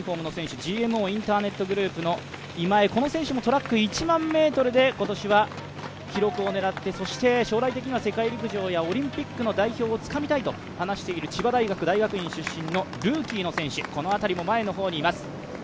ＧＭＯインターネットグループの今江、この選手もトラック１００００ｍで今年は記録を狙ってそして将来的には世界陸上やオリンピックの代表をつかみたいと話している千葉大学大学院出身のルーキーの選手、この辺りも前の方にいます。